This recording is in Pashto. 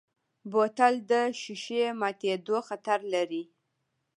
بوتل د ښیښې ماتیدو خطر لري.